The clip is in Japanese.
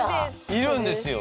いるんですよ。